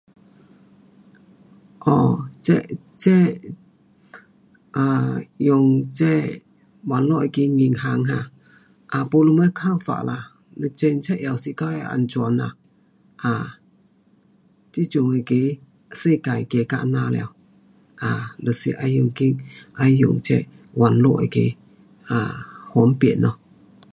um 这，这 um 用这网络那个银行 um，啊没什么看法啦。检测是自的安全啦。um 这阵那个世界走到这样了，um 就是要用着要用这网络那个，um 方便咯。